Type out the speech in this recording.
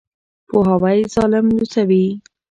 پوهاوی ظالم لوڅوي.